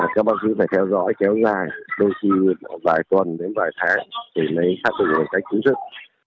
các bác sĩ phải theo dõi kéo dài đôi khi vài tuần đến vài tháng để lấy phát triển một cách chính thức